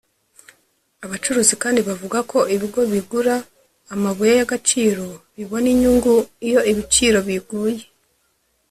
Abacukuzi kandi bavuga ko ibigo bigura amabuye y’agaciro bibona inyungu iyo ibiciro biguye